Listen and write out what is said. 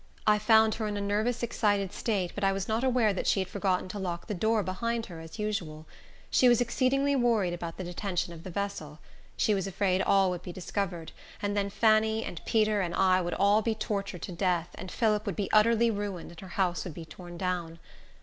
I found her in a nervous, excited state, but I was not aware that she had forgotten to lock the door behind her, as usual. She was exceedingly worried about the detention of the vessel. She was afraid all would be discovered, and then Fanny, and Peter, and I, would all be tortured to death, and Phillip would be utterly ruined, and her house would be torn down.